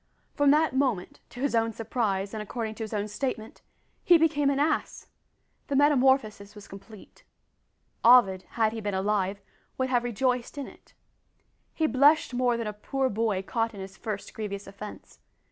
From that moment to his own surprise, and according to his own statement he became an ass! The metamorphosis was complete. Ovid, had he been alive, would have rejoiced in it! He blushed more than a poor boy caught in his first grievous offence.